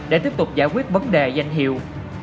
để tiếp tục giải quyết vấn đề danh hiệu